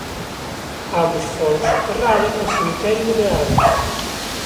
Ambos foron soterrados no cemiterio de Beade.